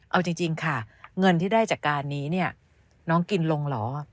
เอาจริงค่ะเงินที่ได้จากการนี้เนี่ยน้องกินลงเหรอ